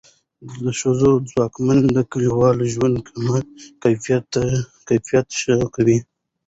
د ښځو ځواکمنېدل د کلیوال ژوند کیفیت ښه کوي.